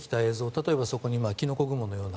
例えばそこにキノコ雲のような。